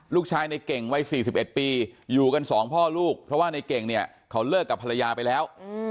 ในเก่งวัย๔๑ปีอยู่กันสองพ่อลูกเพราะว่าในเก่งเนี่ยเขาเลิกกับภรรยาไปแล้ว